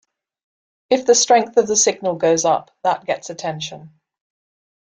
If the strength of the signal goes up, that gets attention.